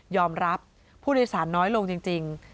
รับผู้โดยสารน้อยลงจริง